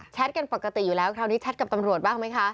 กันปกติอยู่แล้วคราวนี้แชทกับตำรวจบ้างไหมคะ